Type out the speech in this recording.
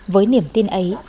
với niềm tin ấy